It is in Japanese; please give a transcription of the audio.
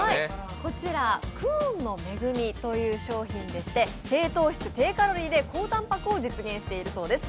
久遠の恵という商品でして低糖質低カロリーで高たんぱくを実現しているそうです。